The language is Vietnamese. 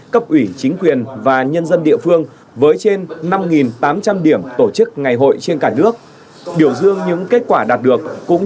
cấp ủy chính quyền và nhân dân địa phương với trên năm tám trăm linh điểm tổ chức ngày hội trên cả nước